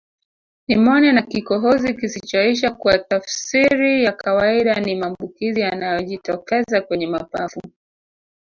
Nimonia na kikohozi kisichoisha kwa tafsiri ya kawaida ni maambukizi yanayojitokeza kwenye mapafu